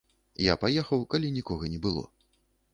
Я паехаў, калі нікога не было.